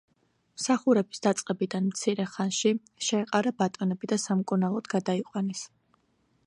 მსახურების დაწყებიდან მცირე ხანში, შეეყარა ბატონები და სამკურნალოდ გადაიყვანეს.